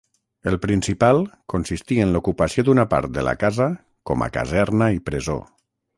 El principal consistí en l’ocupació d’una part de la casa com a caserna i presó.